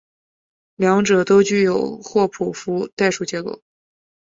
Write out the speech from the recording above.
两者都具有霍普夫代数结构。